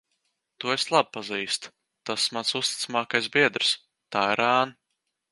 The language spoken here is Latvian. To es labi pazīstu. Tas mans uzticamākais biedrs. Tā ir ēna.